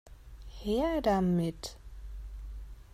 Her damit!